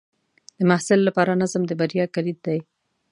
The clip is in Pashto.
د محصل لپاره نظم د بریا کلید دی.